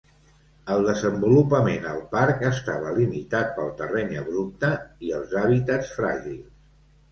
El desenvolupament al parc estava limitat pel terreny abrupte i els hàbitats fràgils.